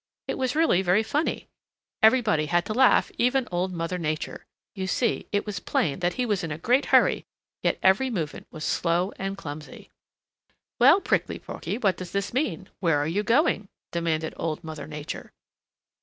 It was really very funny. Everybody had to laugh, even Old Mother Nature. You see, it was plain that he was in a great hurry, yet every movement was slow and clumsy. "Well, Prickly Porky, what does this mean? Where are you going?" demanded Old Mother Nature.